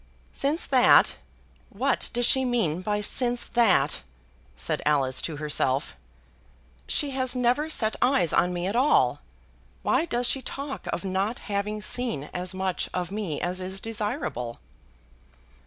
"'Since that!' what does she mean by 'since that'?" said Alice to herself. "She has never set eyes on me at all. Why does she talk of not having seen as much of me as is desirable?"